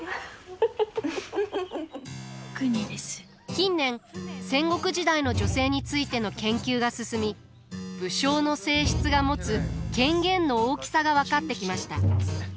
近年戦国時代の女性についての研究が進み武将の正室が持つ権限の大きさが分かってきました。